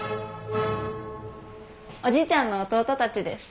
おじいちゃんの弟たちです。